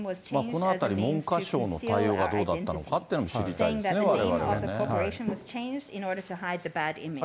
このあたり、文科省の対応がどうだったのかっていうのも知りたいですね、われわれはね。